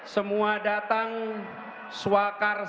semua datang swakarsa